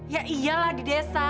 ya iyalah di desa